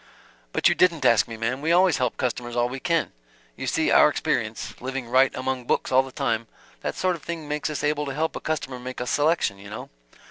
"But you didn't ask me, ma'm. We always help customers all we can. You see our experience living right among books all the time that sort of thing makes us able to help a customer make a selection, you know."